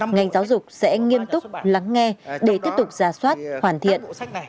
ngành giáo dục sẽ nghiêm túc lắng nghe để tiếp tục ra soát hoàn thiện